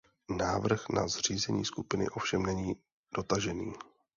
Návrh na zřízení skupiny ovšem není dotažený.